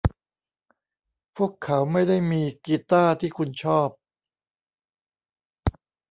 พวกเขาไม่ได้มีกีตาร์ที่คุณชอบ ?